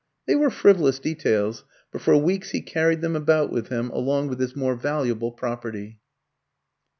They were frivolous details, but for weeks he carried them about with him along with his more valuable property.